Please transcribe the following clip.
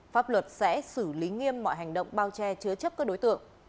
pháp luật sẽ xử lý nghiêm mọi hành động bao che chứa chấp các đối tượng